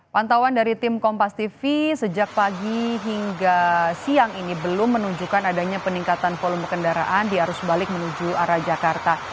pantauan dari tim kompas tv sejak pagi hingga siang ini belum menunjukkan adanya peningkatan volume kendaraan di arus balik menuju arah jakarta